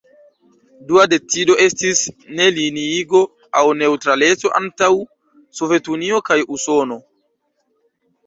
Dua decido estis "Ne-Liniigo" aŭ neŭtraleco antaŭ Sovetunio kaj Usono.